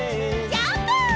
ジャンプ！